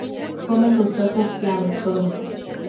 Come crustáceos planctónicos.